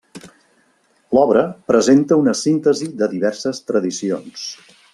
L'obra presenta una síntesi de diverses tradicions.